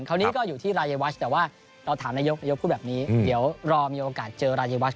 คราวนี้ก็อยู่ที่รายวัชธรรมดิ์แต่ว่าถามนายกพูดแบบนี้เดี๋ยวรอมีโอกาสเจอรายวัชธรรมดิ์